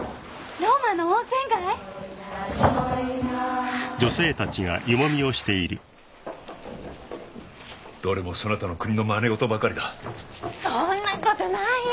チョイナチョイナどれもそなたの国のマネ事ばかりだそんなことないよ